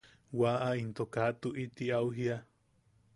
Waʼa into kaa tuʼi ti au jiia.